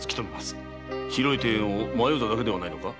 広い庭園を迷うただけではないのか？